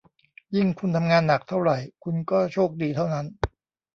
ยิ่งคุณทำงานหนักเท่าไหร่ คุณก็โชคดีเท่านั้น